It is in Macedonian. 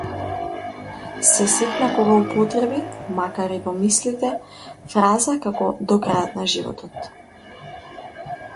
Се сепна кога употреби, макар и во мислите, фраза како до крајот на животот.